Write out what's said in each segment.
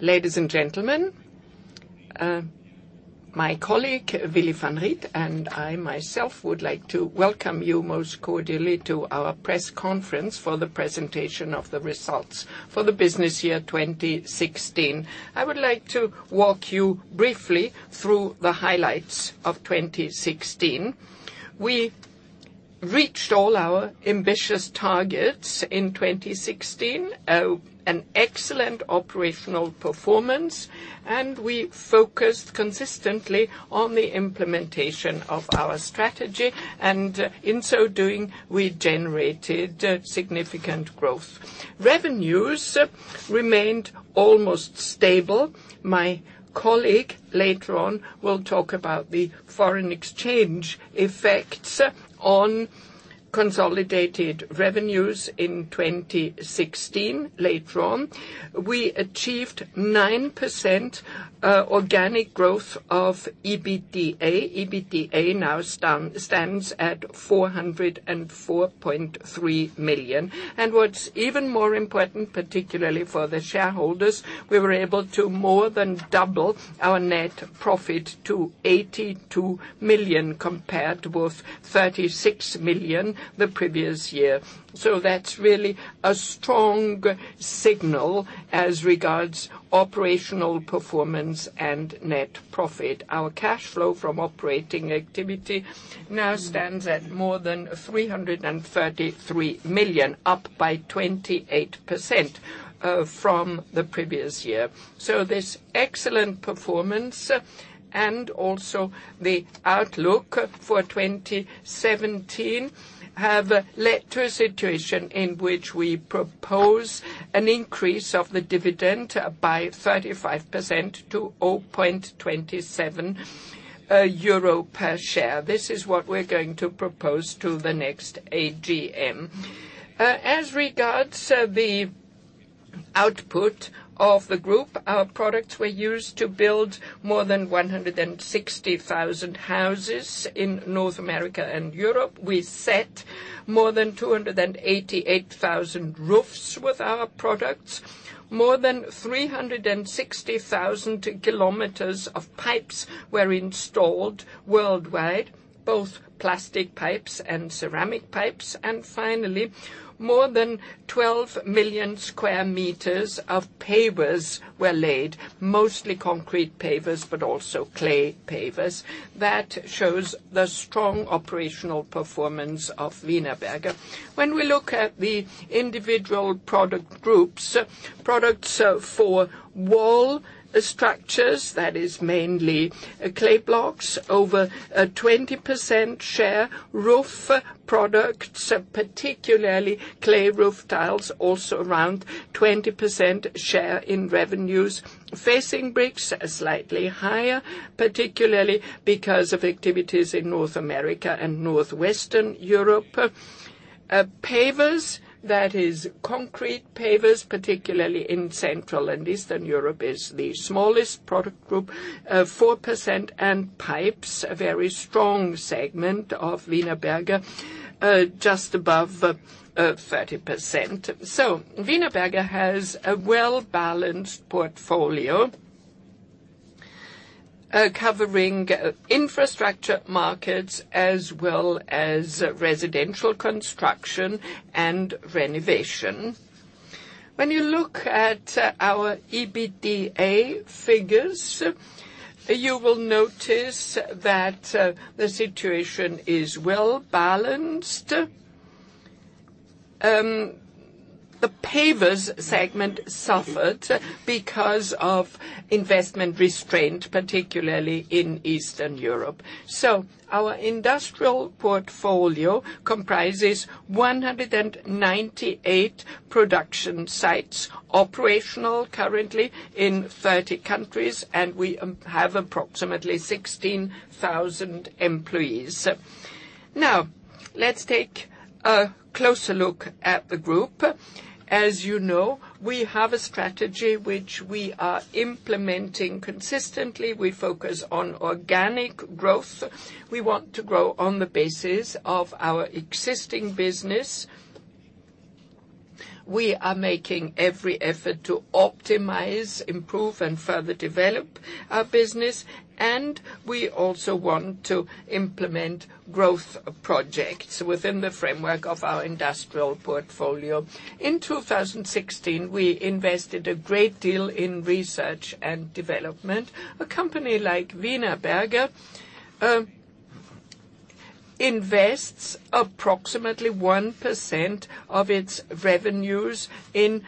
Ladies and gentlemen. My colleague, Willy Van Riet, and I myself would like to welcome you most cordially to our press conference for the presentation of the results for the business year 2016. I would like to walk you briefly through the highlights of 2016. We reached all our ambitious targets in 2016, an excellent operational performance. We focused consistently on the implementation of our strategy and in so doing, we generated significant growth. Revenues remained almost stable. My colleague later on will talk about the foreign exchange effects on consolidated revenues in 2016. We achieved 9% organic growth of EBITDA. EBITDA now stands at 404.3 million. What is even more important, particularly for the shareholders, we were able to more than double our net profit to 82 million compared with 36 million the previous year. That is really a strong signal as regards operational performance and net profit. Our cash flow from operating activity now stands at more than 333 million, up by 28% from the previous year. This excellent performance and also the outlook for 2017 have led to a situation in which we propose an increase of the dividend by 35% to EUR 0.27 per share. This is what we are going to propose to the next AGM. As regards the output of the group, our products were used to build more than 160,000 houses in North America and Europe. We set more than 288,000 roofs with our products. More than 360,000 kilometers of pipes were installed worldwide, both plastic pipes and ceramic pipes. Finally, more than 12 million square meters of pavers were laid, mostly concrete pavers, but also clay pavers. That shows the strong operational performance of Wienerberger. When we look at the individual product groups, products for wall structures, that is mainly clay blocks, over 20% share. Roof products, particularly clay roof tiles, also around 20% share in revenues. Facing bricks are slightly higher, particularly because of activities in North America and Northwestern Europe. Pavers, that is concrete pavers, particularly in Central and Eastern Europe, is the smallest product group, 4%. Pipes, a very strong segment of Wienerberger, just above 30%. Wienerberger has a well-balanced portfolio covering infrastructure markets as well as residential construction and renovation. When you look at our EBITDA figures, you will notice that the situation is well-balanced. The pavers segment suffered because of investment restraint, particularly in Eastern Europe. Our industrial portfolio comprises 198 production sites operational currently in 30 countries, and we have approximately 16,000 employees. Now let's take a closer look at the group. As you know, we have a strategy which we are implementing consistently. We focus on organic growth. We want to grow on the basis of our existing business. We are making every effort to optimize, improve, and further develop our business, and we also want to implement growth projects within the framework of our industrial portfolio. In 2016, we invested a great deal in research and development. A company like Wienerberger invests approximately 1% of its revenues in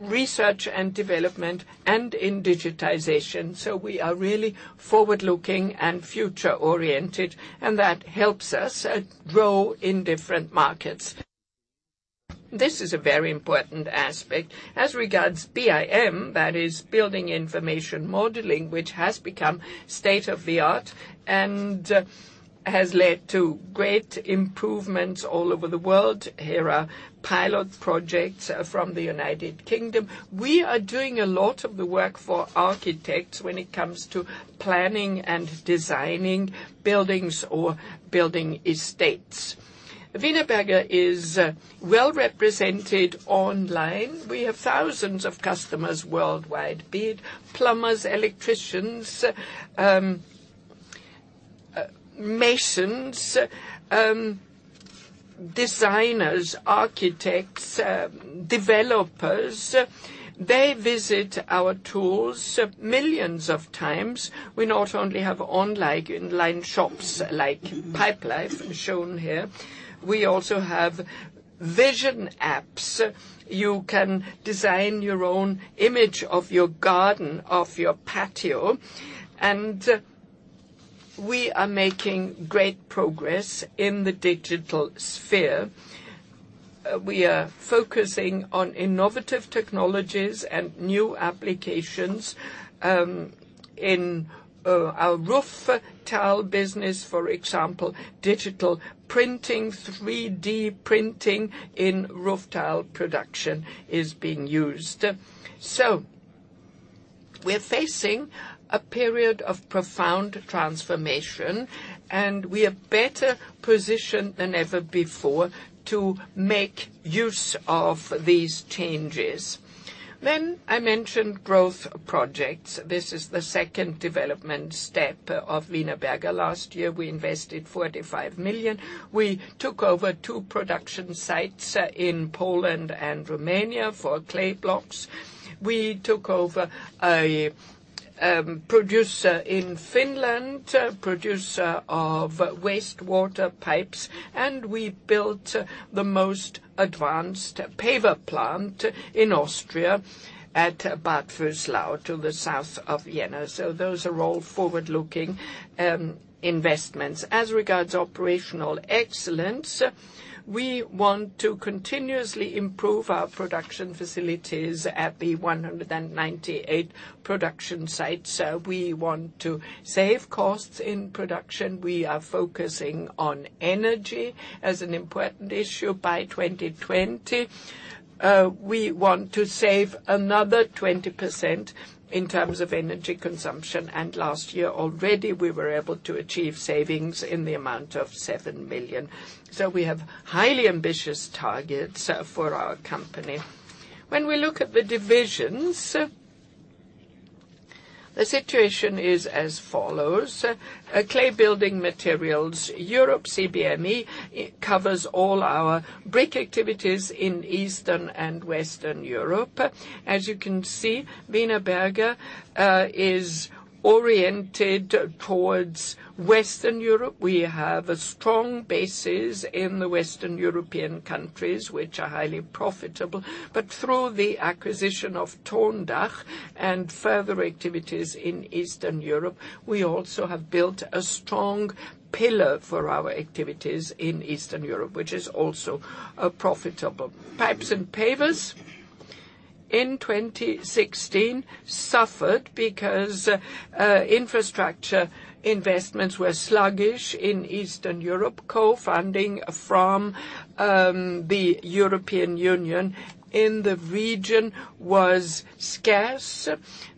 research and development and in digitization. We are really forward-looking and future-oriented, and that helps us grow in different markets. This is a very important aspect. As regards BIM, that is building information modeling, which has become state-of-the-art and has led to great improvements all over the world. Here are pilot projects from the United Kingdom. We are doing a lot of the work for architects when it comes to planning and designing buildings or building estates. Wienerberger is well represented online. We have thousands of customers worldwide, be it plumbers, electricians, masons, designers, architects, developers. They visit our tools millions of times. We not only have online shops like Pipelife shown here, we also have vision apps. You can design your own image of your garden, of your patio. We are making great progress in the digital sphere. We are focusing on innovative technologies and new applications in our roof tile business, for example, digital printing, 3D printing in roof tile production is being used. We're facing a period of profound transformation. We are better positioned than ever before to make use of these changes. I mentioned growth projects. This is the second development step of Wienerberger. Last year, we invested 45 million. We took over two production sites in Poland and Romania for clay blocks. We took over a producer in Finland, producer of wastewater pipes. We built the most advanced paver plant in Austria at Bad Vöslau to the south of Vienna. Those are all forward-looking investments. As regards operational excellence, we want to continuously improve our production facilities at the 198 production sites. We want to save costs in production. We are focusing on energy as an important issue. By 2020, we want to save another 20% in terms of energy consumption. Last year already, we were able to achieve savings in the amount of 7 million. We have highly ambitious targets for our company. When we look at the divisions, the situation is as follows. Clay Building Materials Europe, CBME, covers all our brick activities in Eastern and Western Europe. As you can see, Wienerberger is oriented towards Western Europe. We have strong bases in the Western European countries, which are highly profitable. Through the acquisition of Tondach and further activities in Eastern Europe, we also have built a strong pillar for our activities in Eastern Europe, which is also profitable. Pipes and pavers in 2016 suffered because infrastructure investments were sluggish in Eastern Europe. Co-funding from the European Union in the region was scarce.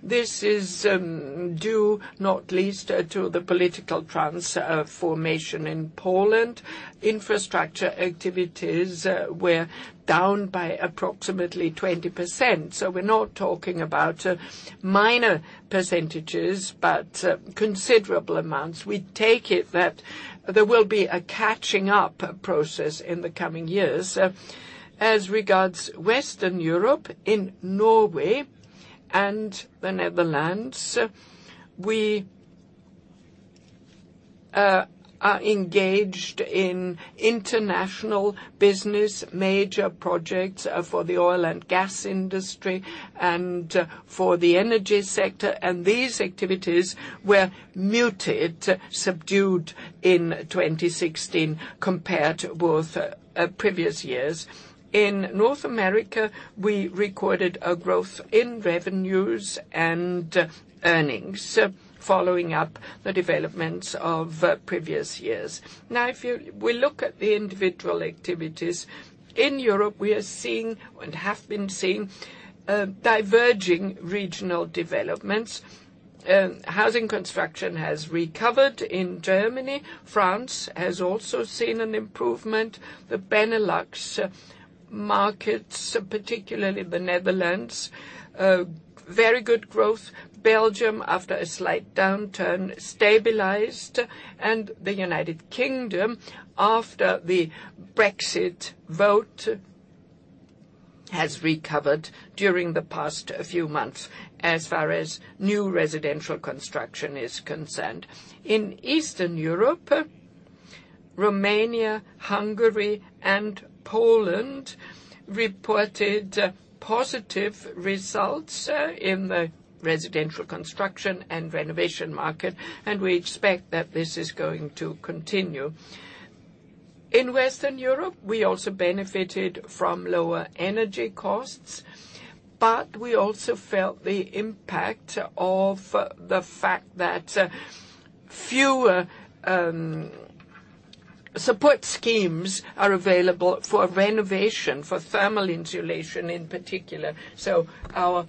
This is due not least to the political transformation in Poland. Infrastructure activities were down by approximately 20%. We're not talking about minor percentages, but considerable amounts. We take it that there will be a catching up process in the coming years. As regards Western Europe, in Norway and the Netherlands, we are engaged in international business, major projects for the oil and gas industry and for the energy sector. These activities were muted, subdued in 2016 compared with previous years. In North America, we recorded a growth in revenues and earnings following up the developments of previous years. If we look at the individual activities, in Europe, we are seeing and have been seeing diverging regional developments. Housing construction has recovered in Germany. France has also seen an improvement. The Benelux markets, particularly the Netherlands, very good growth. Belgium, after a slight downturn, stabilized. The U.K., after the Brexit vote, has recovered during the past few months as far as new residential construction is concerned. In Eastern Europe, Romania, Hungary, and Poland reported positive results in the residential construction and renovation market. We expect that this is going to continue. In Western Europe, we also benefited from lower energy costs. We also felt the impact of the fact that fewer support schemes are available for renovation, for thermal insulation in particular. Our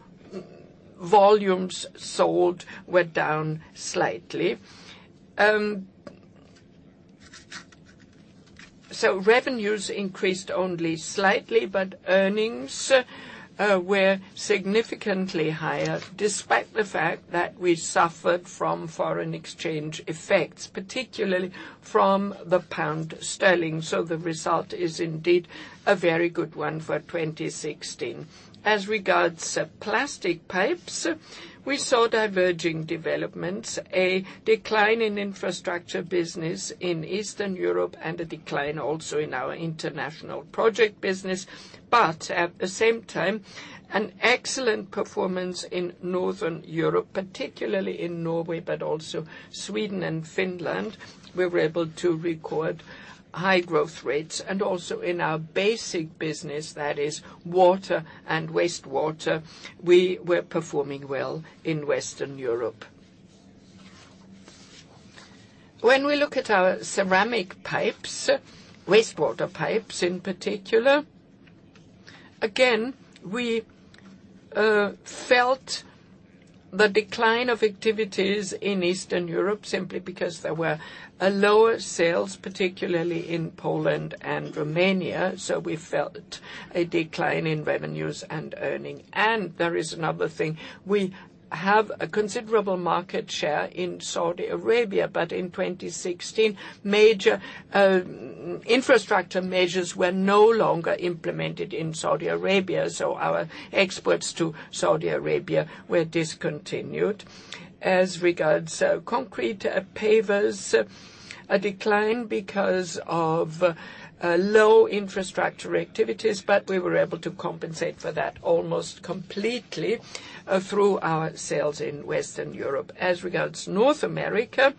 volumes sold were down slightly. Revenues increased only slightly, but earnings were significantly higher despite the fact that we suffered from foreign exchange effects, particularly from the GBP. The result is indeed a very good one for 2016. As regards plastic pipes, we saw diverging developments, a decline in infrastructure business in Eastern Europe, and a decline also in our international project business. At the same time, an excellent performance in Northern Europe, particularly in Norway. Sweden and Finland, we were able to record high growth rates. Also in our basic business, that is water and wastewater, we were performing well in Western Europe. When we look at our ceramic pipes, wastewater pipes in particular, again, we felt the decline of activities in Eastern Europe simply because there were lower sales, particularly in Poland and Romania. We felt a decline in revenues and earnings. There is another thing. We have a considerable market share in Saudi Arabia. In 2016, major infrastructure measures were no longer implemented in Saudi Arabia. Our exports to Saudi Arabia were discontinued. As regards concrete pavers, a decline because of low infrastructure activities. We were able to compensate for that almost completely through our sales in Western Europe. As regards North America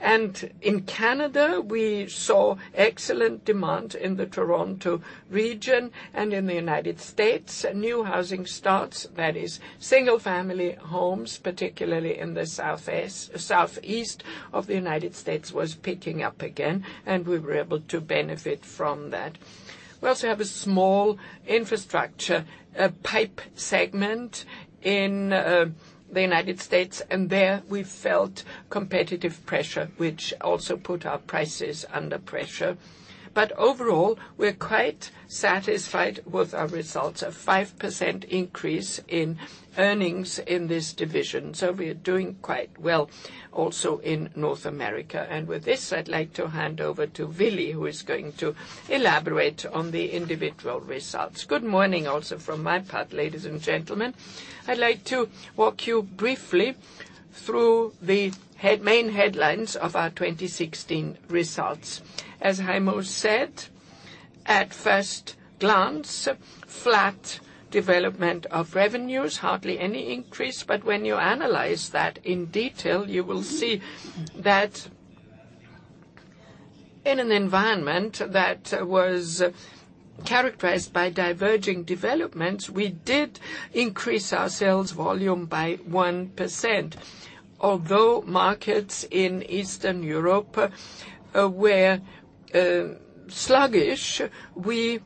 and in Canada, we saw excellent demand in the Toronto region and in the U.S. New housing starts, that is single-family homes, particularly in the southeast of the U.S., was picking up again. We were able to benefit from that. We also have a small infrastructure pipe segment in the U.S. There we felt competitive pressure, which also put our prices under pressure. Overall, we're quite satisfied with our results, a 5% increase in earnings in this division. We are doing quite well also in North America. With this, I'd like to hand over to Willy, who is going to elaborate on the individual results. Good morning also from my part, ladies and gentlemen. I'd like to walk you briefly through the main headlines of our 2016 results. As Heimo said, at first glance, flat development of revenues, hardly any increase. When you analyze that in detail, you will see that in an environment that was characterized by diverging developments, we did increase our sales volume by 1%. Although markets in Eastern Europe were sluggish, we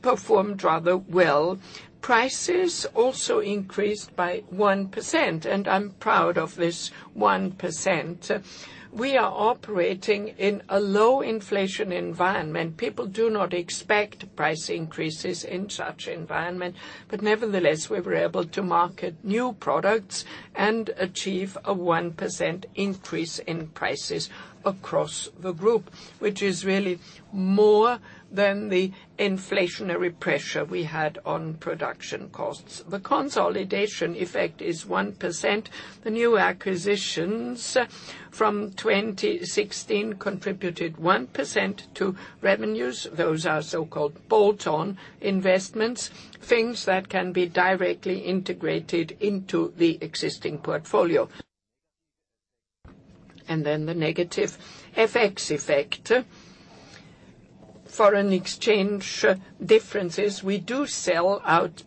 performed rather well. Prices also increased by 1%. I'm proud of this 1%. We are operating in a low inflation environment. People do not expect price increases in such environment. Nevertheless, we were able to market new products and achieve a 1% increase in prices across the group, which is really more than the inflationary pressure we had on production costs. The consolidation effect is 1%. The new acquisitions from 2016 contributed 1% to revenues. Those are so-called bolt-on investments, things that can be directly integrated into the existing portfolio. Then the negative FX effect. Foreign exchange differences. We do sell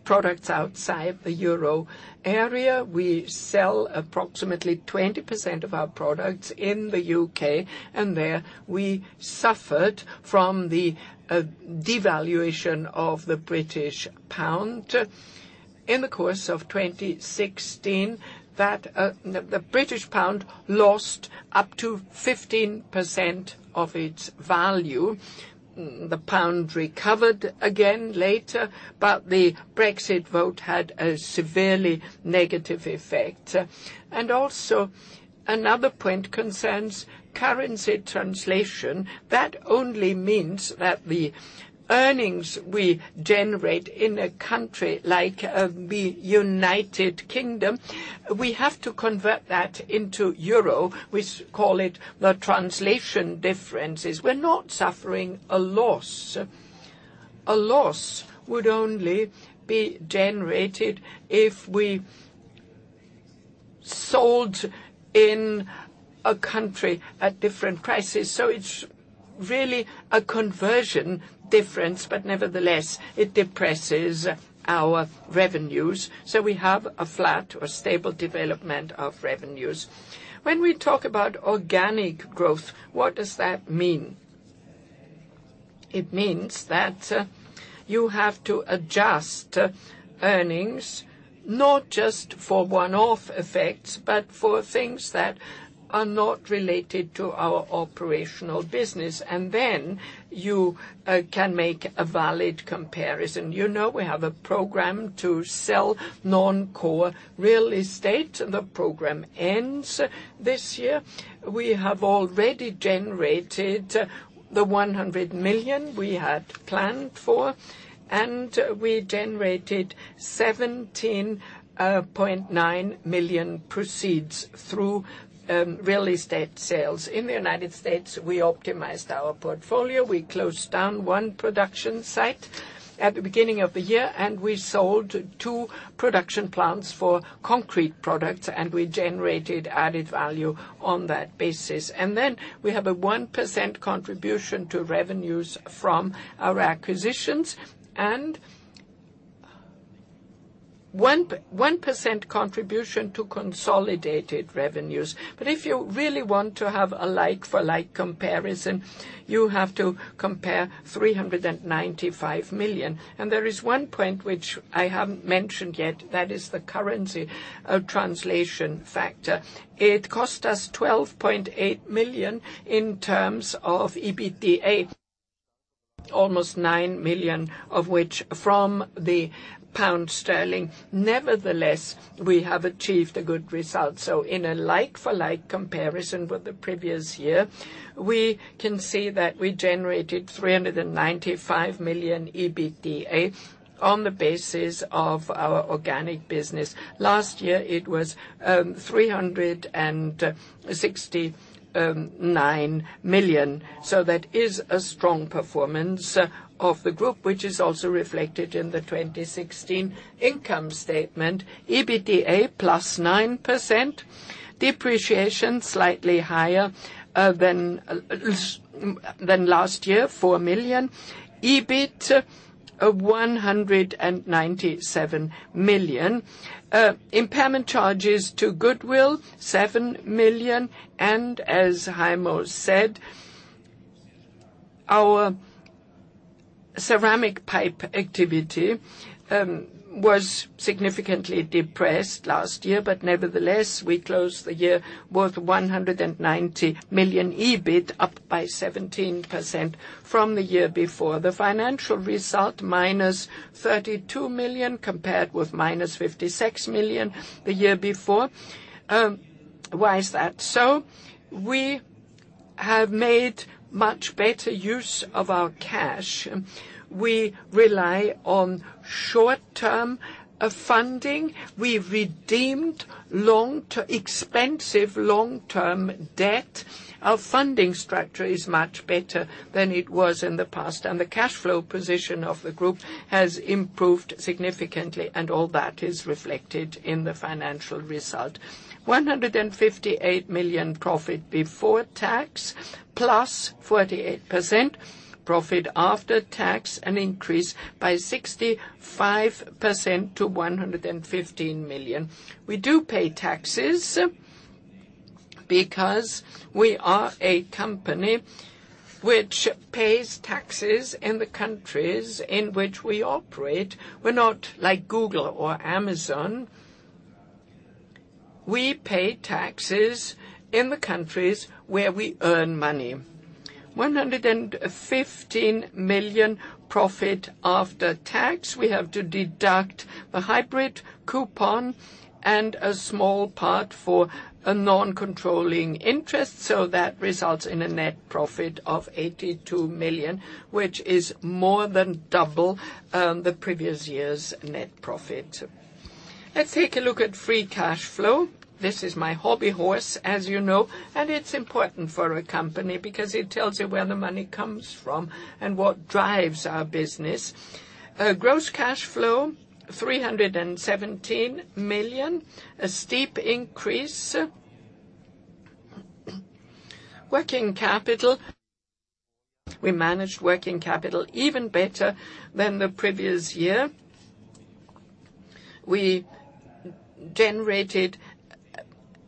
products outside the euro area. We sell approximately 20% of our products in the U.K., and there we suffered from the devaluation of the British pound. In the course of 2016, the British pound lost up to 15% of its value. The pound recovered again later, but the Brexit vote had a severely negative effect. Another point concerns currency translation. That only means that the earnings we generate in a country like the U.K., we have to convert that into euro. We call it the translation differences. We're not suffering a loss. A loss would only be generated if we sold in a country at different prices. It's really a conversion difference, but nevertheless, it depresses our revenues. We have a flat or stable development of revenues. When we talk about organic growth, what does that mean? It means that you have to adjust earnings, not just for one-off effects, but for things that are not related to our operational business. You can make a valid comparison. We have a program to sell non-core real estate. The program ends this year. We have already generated the 100 million we had planned for, and we generated 17.9 million proceeds through real estate sales. In the U.S., we optimized our portfolio. We closed down one production site at the beginning of the year, and we sold two production plants for concrete pavers, and we generated added value on that basis. We have a 1% contribution to revenues from our acquisitions, and 1% contribution to consolidated revenues. If you really want to have a like-for-like comparison, you have to compare 395 million. There is one point which I haven't mentioned yet, that is the currency translation factor. It cost us 12.8 million in terms of EBITDA, almost 9 million of which from the pound sterling. Nevertheless, we have achieved a good result. In a like-for-like comparison with the previous year, we can see that we generated 395 million EBITDA on the basis of our organic business. Last year it was 369 million. That is a strong performance of the group, which is also reflected in the 2016 income statement. EBITDA, plus 9%. Depreciation, slightly higher than last year, 4 million. EBIT, 197 million. Impairment charges to goodwill, 7 million, and as Heimo said, our ceramic pipe activity was significantly depressed last year, but nevertheless, we closed the year with 190 million EBIT, up by 17% from the year before. The financial result, minus 32 million compared with minus 56 million the year before. Why is that? We have made much better use of our cash. We rely on short-term funding. We've redeemed expensive long-term debt. Our funding structure is much better than it was in the past, and the cash flow position of the group has improved significantly, and all that is reflected in the financial result. 158 million profit before tax, plus 48%. Profit after tax, an increase by 65% to 115 million. We do pay taxes because we are a company which pays taxes in the countries in which we operate. We're not like Google or Amazon. We pay taxes in the countries where we earn money. 115 million profit after tax. We have to deduct the hybrid coupon and a small part for a non-controlling interest. That results in a net profit of 82 million, which is more than double the previous year's net profit. Let's take a look at free cash flow. This is my hobby horse, as you know, and it's important for a company because it tells you where the money comes from and what drives our business. Gross cash flow, 317 million. A steep increase. Working capital. We managed working capital even better than the previous year. We generated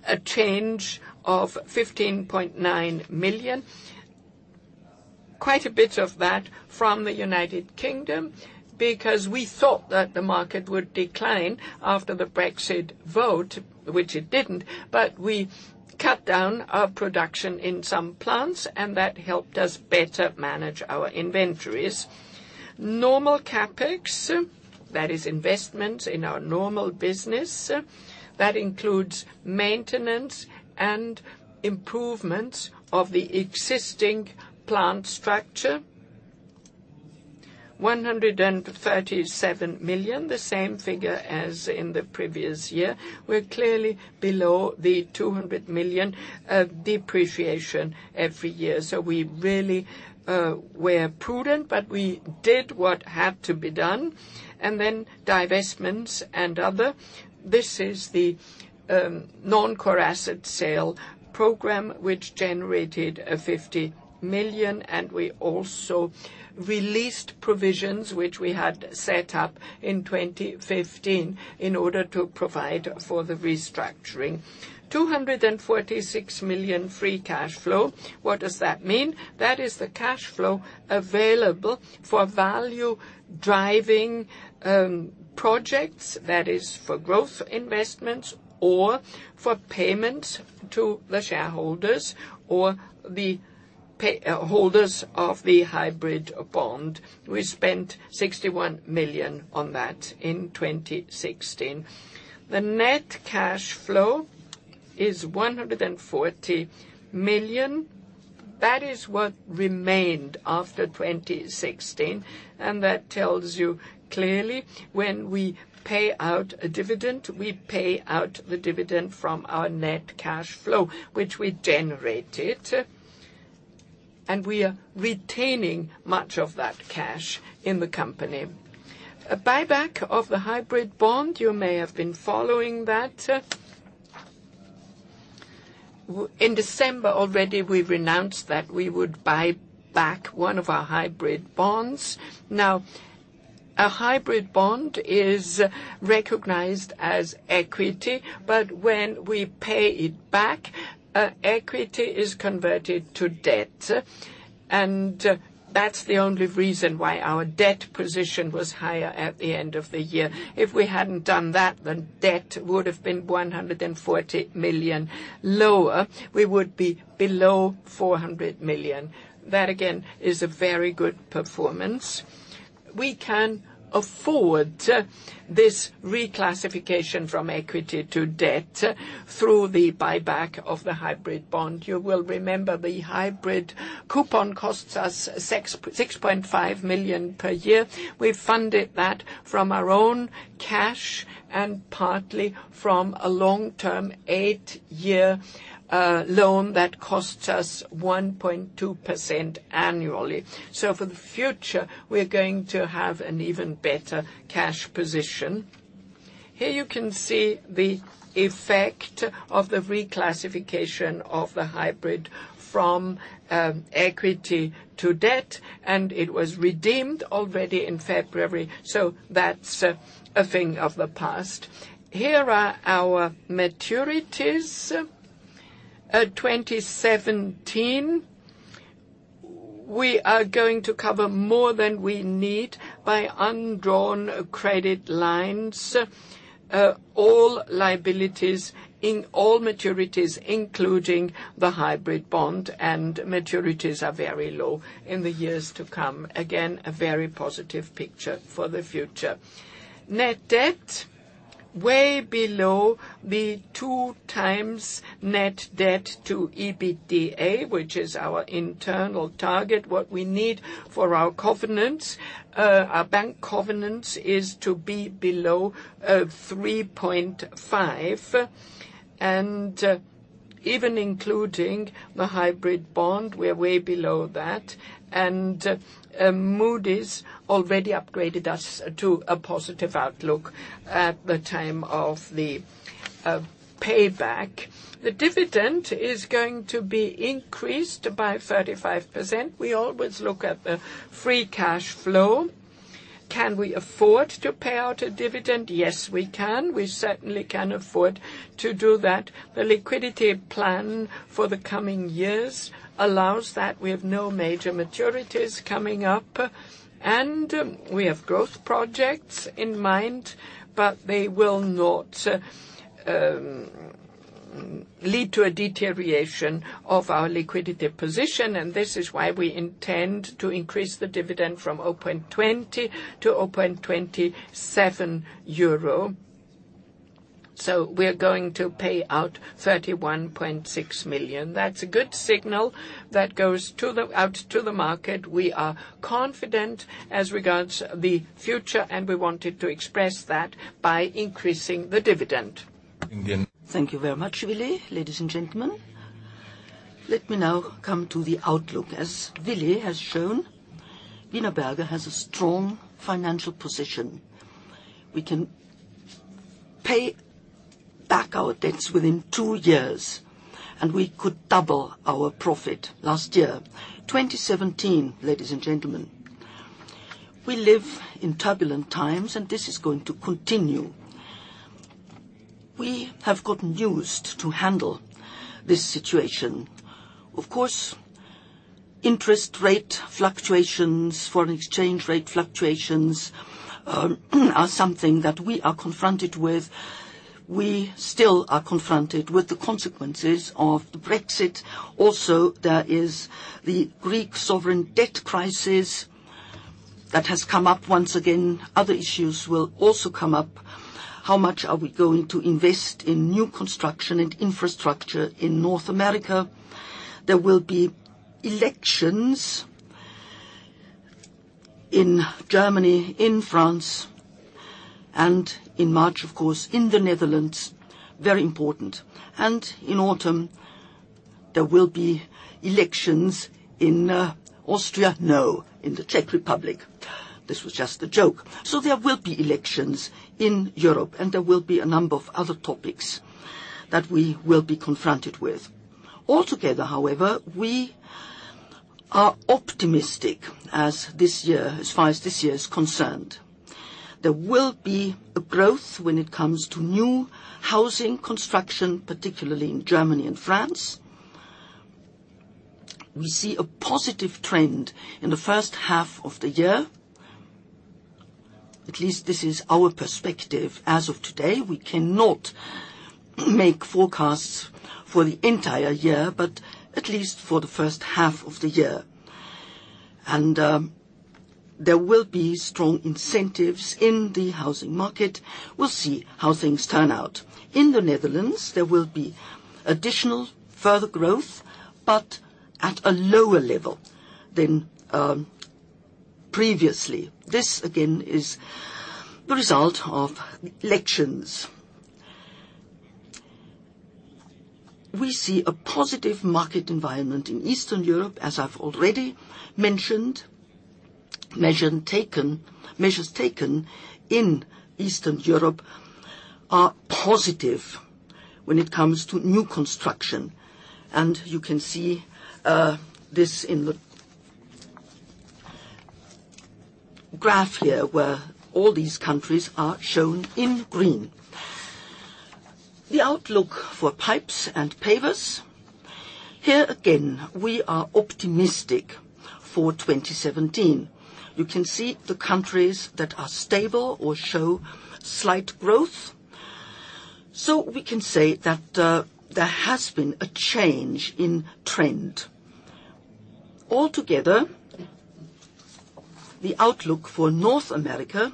a change of 15.9 million. Quite a bit of that from the U.K. because we thought that the market would decline after the Brexit vote, which it didn't. We cut down our production in some plants and that helped us better manage our inventories. Normal CapEx, that is investments in our normal business. That includes maintenance and improvements of the existing plant structure. 137 million, the same figure as in the previous year. We're clearly below the 200 million depreciation every year. We really were prudent, but we did what had to be done. Divestments and other. This is the non-core asset sale program, which generated 50 million, and we also released provisions which we had set up in 2015 in order to provide for the restructuring. 246 million free cash flow. What does that mean? That is the cash flow available for value-driving projects, that is for growth investments or for payments to the shareholders or the Holders of the hybrid bond. We spent 61 million on that in 2016. The net cash flow is 140 million. That is what remained after 2016. That tells you clearly when we pay out a dividend, we pay out the dividend from our net cash flow, which we generated. We are retaining much of that cash in the company. A buyback of the hybrid bond, you may have been following that. In December already, we renounced that we would buy back one of our hybrid bonds. A hybrid bond is recognized as equity, but when we pay it back, equity is converted to debt. That's the only reason why our debt position was higher at the end of the year. If we hadn't done that, the debt would have been 140 million lower. We would be below 400 million. That again, is a very good performance. We can afford this reclassification from equity to debt through the buyback of the hybrid bond. You will remember the hybrid coupon costs us 6.5 million per year. We funded that from our own cash and partly from a long-term, eight-year loan that costs us 1.2% annually. For the future, we're going to have an even better cash position. Here you can see the effect of the reclassification of the hybrid from equity to debt. It was redeemed already in February. That's a thing of the past. Here are our maturities. 2017, we are going to cover more than we need by undrawn credit lines. All liabilities in all maturities, including the hybrid bond and maturities are very low in the years to come. Again, a very positive picture for the future. Net debt, way below the two times net debt to EBITDA, which is our internal target. What we need for our covenants, our bank covenants is to be below 3.5. Even including the hybrid bond, we're way below that. Moody's already upgraded us to a positive outlook at the time of the payback. The dividend is going to be increased by 35%. We always look at the free cash flow. Can we afford to pay out a dividend? Yes, we can. We certainly can afford to do that. The liquidity plan for the coming years allows that. We have no major maturities coming up. We have growth projects in mind, but they will not lead to a deterioration of our liquidity position, and this is why we intend to increase the dividend from 0.20 to 0.27 euro. We're going to pay out 31.6 million. That's a good signal that goes out to the market. We are confident as regards the future, and we wanted to express that by increasing the dividend. Thank you very much, Willy. Ladies and gentlemen, let me now come to the outlook. As Willy has shown, Wienerberger has a strong financial position. We can pay back our debts within two years, and we could double our profit last year. 2017, ladies and gentlemen. We live in turbulent times, this is going to continue. We have gotten used to handle this situation. Of course, interest rate fluctuations, foreign exchange rate fluctuations are something that we are confronted with. We still are confronted with the consequences of Brexit. There is the Greek sovereign debt crisis that has come up once again. Other issues will also come up. How much are we going to invest in new construction and infrastructure in North America? There will be elections in Germany, in France, in March, of course, in the Netherlands, very important. In autumn, there will be elections in Austria. No, in the Czech Republic. This was just a joke. There will be elections in Europe, there will be a number of other topics that we will be confronted with. Altogether, however, we are optimistic as far as this year is concerned. There will be a growth when it comes to new housing construction, particularly in Germany and France. We see a positive trend in the first half of the year. At least this is our perspective. As of today, we cannot make forecasts for the entire year, but at least for the first half of the year. There will be strong incentives in the housing market. We'll see how things turn out. In the Netherlands, there will be additional further growth, but at a lower level than previously. This again is the result of elections. We see a positive market environment in Eastern Europe, as I've already mentioned. Measures taken in Eastern Europe are positive when it comes to new construction, you can see this in the graph here, where all these countries are shown in green. The outlook for pipes and pavers. Here again, we are optimistic for 2017. You can see the countries that are stable or show slight growth. We can say that there has been a change in trend. Altogether, the outlook for North America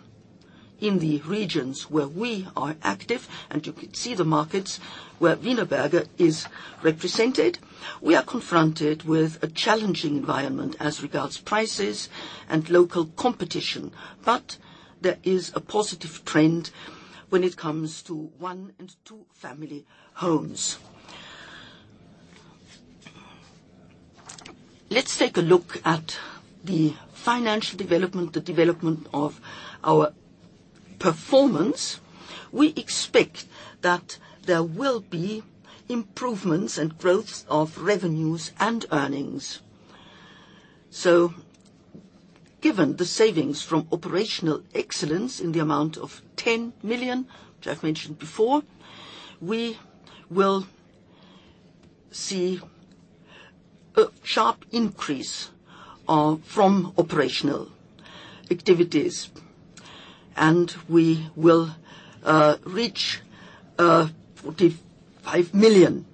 in the regions where we are active, and you can see the markets where Wienerberger is represented. We are confronted with a challenging environment as regards prices and local competition, but there is a positive trend when it comes to one- and two-family homes. Let's take a look at the financial development, the development of our performance. We expect that there will be improvements and growth of revenues and earnings. Given the savings from operational excellence in the amount of 10 million, which I've mentioned before, we will see a sharp increase from operational activities, and we will reach 45 million.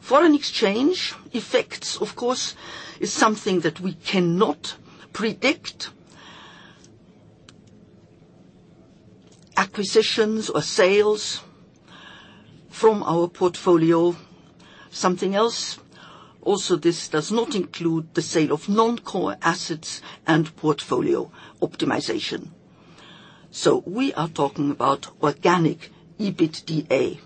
Foreign exchange effects, of course, is something that we cannot predict. Acquisitions or sales from our portfolio, something else. This does not include the sale of non-core assets and portfolio optimization. We are talking about organic EBITDA.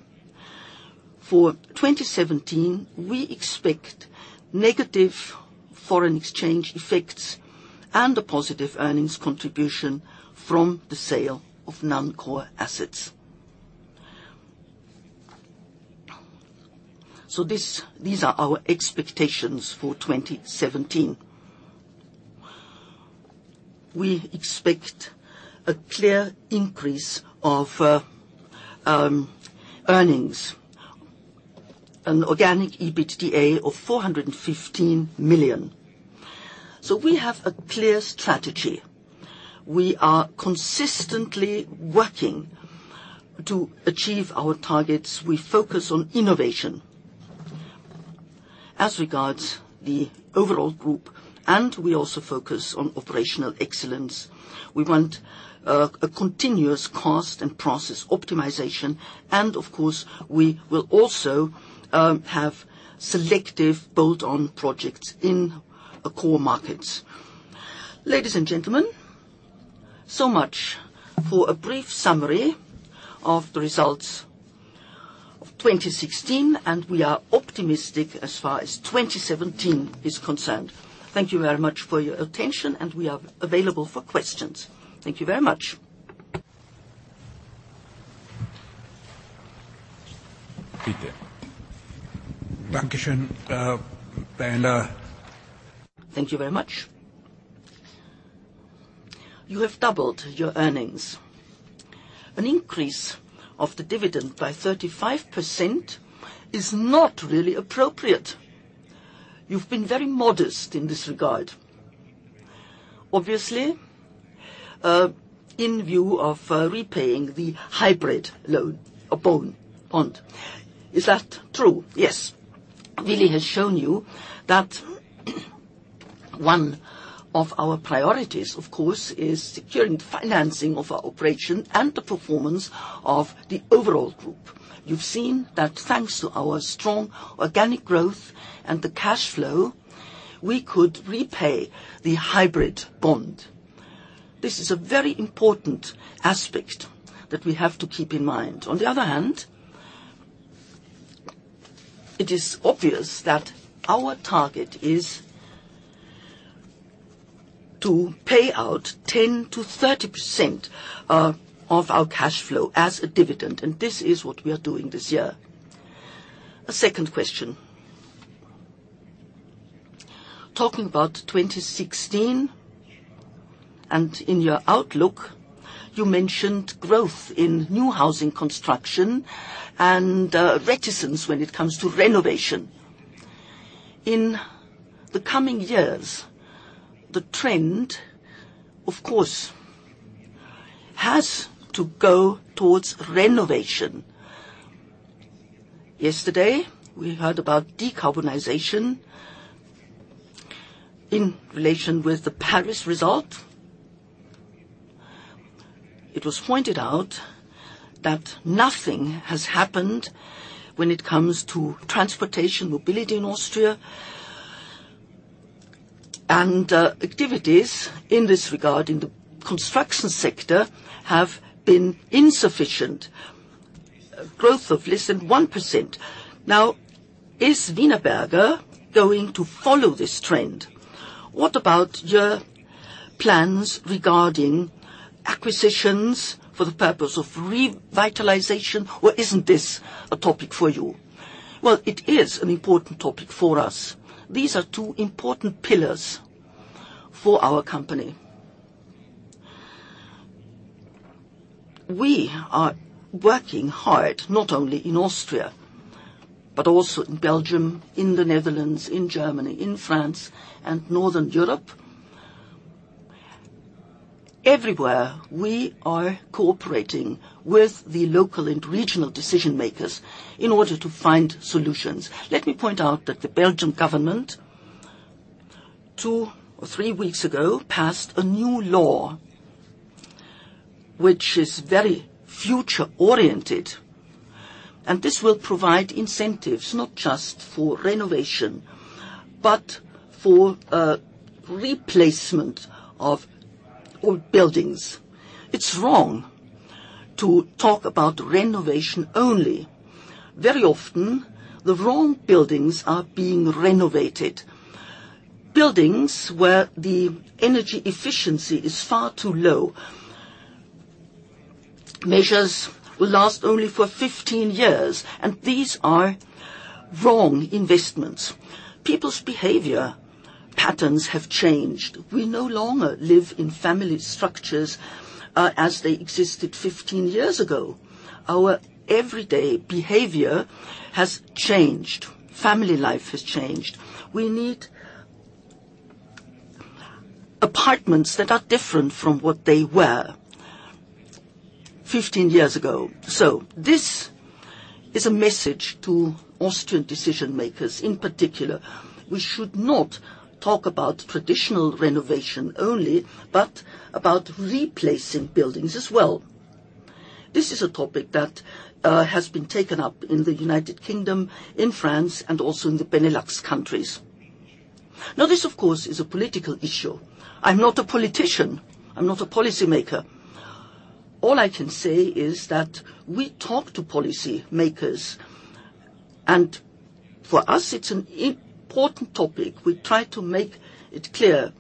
For 2017, we expect negative foreign exchange effects and a positive earnings contribution from the sale of non-core assets. These are our expectations for 2017. We expect a clear increase of earnings, an organic EBITDA of 415 million. We have a clear strategy. We are consistently working to achieve our targets. We focus on innovation as regards the overall group, and we also focus on operational excellence. We want a continuous cost and process optimization, and of course, we will also have selective bolt-on projects in the core markets. Ladies and gentlemen, so much for a brief summary of the results of 2016, and we are optimistic as far as 2017 is concerned. Thank you very much for your attention, and we are available for questions. Thank you very much. Peter. Thank you very much. Thank you very much. You have doubled your earnings. An increase of the dividend by 35% is not really appropriate. You've been very modest in this regard. Obviously, in view of repaying the hybrid loan or bond. Is that true? Yes. Willy has shown you that one of our priorities, of course, is securing the financing of our operation and the performance of the overall group. You've seen that thanks to our strong organic growth and the cash flow, we could repay the hybrid bond. This is a very important aspect that we have to keep in mind. On the other hand, it is obvious that our target is to pay out 10%-30% of our cash flow as a dividend, and this is what we are doing this year. A second question. Talking about 2016 and in your outlook, you mentioned growth in new housing construction and reticence when it comes to renovation. In the coming years, the trend, of course, has to go towards renovation. Yesterday, we heard about decarbonization in relation with the Paris result. It was pointed out that nothing has happened when it comes to transportation mobility in Austria. Activities in this regard in the construction sector have been insufficient. Growth of less than 1%. Is Wienerberger going to follow this trend? What about your plans regarding acquisitions for the purpose of revitalization? Isn't this a topic for you? It is an important topic for us. These are two important pillars for our company. We are working hard, not only in Austria, but also in Belgium, in the Netherlands, in Germany, in France, and Northern Europe. Everywhere we are cooperating with the local and regional decision-makers in order to find solutions. Let me point out that the Belgian government, two or three weeks ago, passed a new law which is very future-oriented. This will provide incentives not just for renovation, but for replacement of old buildings. It's wrong to talk about renovation only. Very often, the wrong buildings are being renovated. Buildings where the energy efficiency is far too low. Measures will last only for 15 years, and these are wrong investments. People's behavior patterns have changed. We no longer live in family structures as they existed 15 years ago. Our everyday behavior has changed. Family life has changed. We need apartments that are different from what they were 15 years ago. This is a message to Austrian decision-makers in particular. We should not talk about traditional renovation only, but about replacing buildings as well. This is a topic that has been taken up in the U.K., in France, and also in the Benelux countries. This of course, is a political issue. I'm not a politician. I'm not a policy maker. All I can say is that we talk to policy makers. For us it's an important topic. We try to make it clear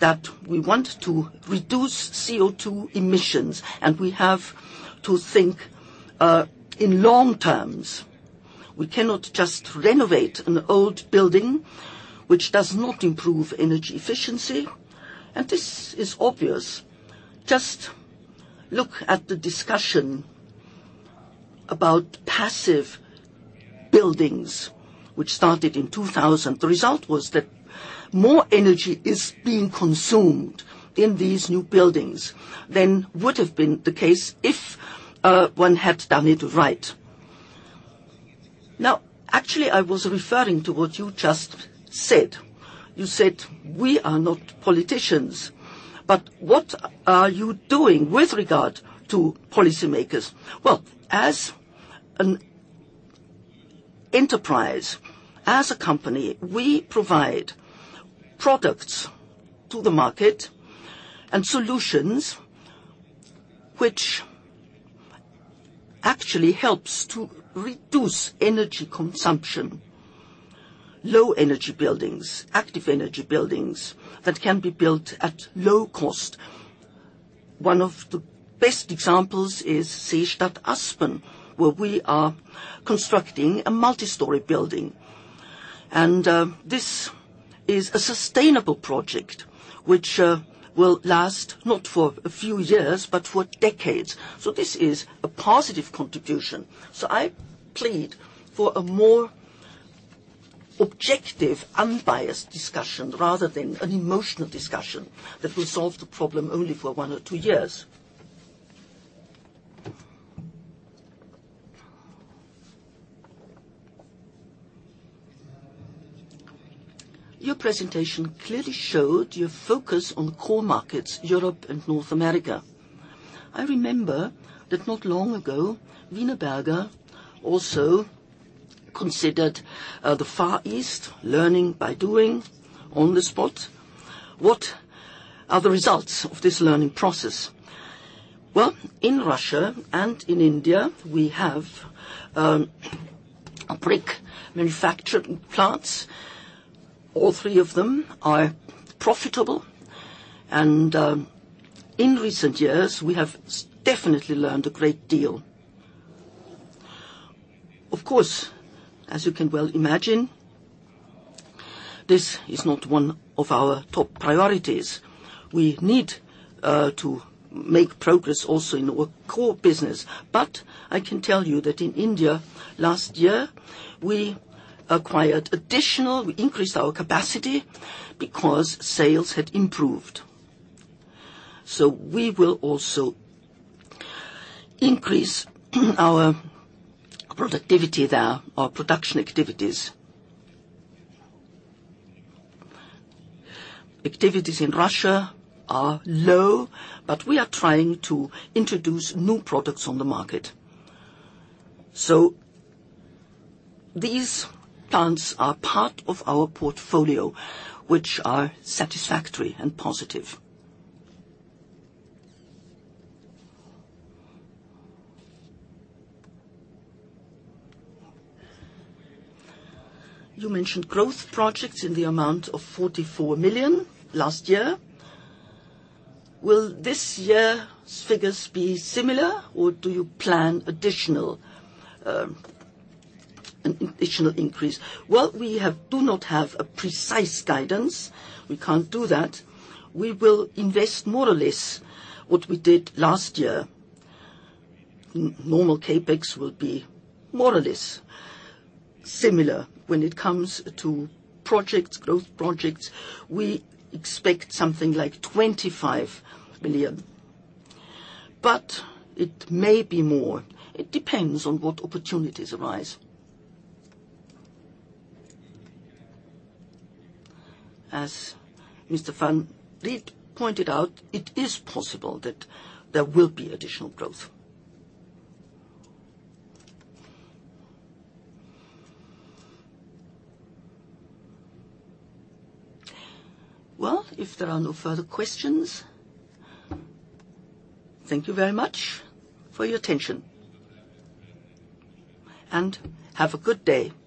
that we want to reduce CO2 emissions. We have to think in long terms. We cannot just renovate an old building which does not improve energy efficiency. This is obvious. Just look at the discussion about passive buildings which started in 2000. The result was that more energy is being consumed in these new buildings than would have been the case if one had done it right. Well, actually, I was referring to what you just said. You said we are not politicians, but what are you doing with regard to policymakers? Well, as an enterprise, as a company, we provide products to the market and solutions which actually helps to reduce energy consumption. Low energy buildings, active energy buildings that can be built at low cost. One of the best examples is Seestadt Aspern, where we are constructing a multi-story building. This is a sustainable project which will last not for a few years, but for decades. This is a positive contribution. I plead for a more objective, unbiased discussion rather than an emotional discussion that will solve the problem only for one or two years. Your presentation clearly showed your focus on core markets, Europe and North America. I remember that not long ago, Wienerberger also considered the Far East learning by doing on the spot. What are the results of this learning process? Well, in Russia and in India we have brick manufacturing plants. All three of them are profitable. In recent years we have definitely learned a great deal. Of course, as you can well imagine, this is not one of our top priorities. We need to make progress also in our core business. I can tell you that in India last year, we increased our capacity because sales had improved. We will also increase our productivity there, our production activities. Activities in Russia are low, but we are trying to introduce new products on the market. These plans are part of our portfolio, which are satisfactory and positive. You mentioned growth projects in the amount of 44 million last year. Will this year's figures be similar, or do you plan an additional increase? Well, we do not have a precise guidance. We can't do that. We will invest more or less what we did last year. Normal CapEx will be more or less similar. When it comes to growth projects, we expect something like 25 million. It may be more. It depends on what opportunities arise. As Mr. Van Riet pointed out, it is possible that there will be additional growth. Well, if there are no further questions, thank you very much for your attention. Have a good day. Thank you